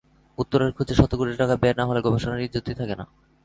উত্তরের খোঁজে শতকোটি টাকা ব্যয় না হলে গবেষণার ইজ্জতই থাকে না।